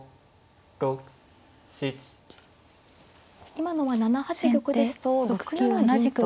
今のは７八玉ですと６七銀と。